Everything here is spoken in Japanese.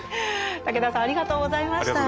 武田さんありがとうございました。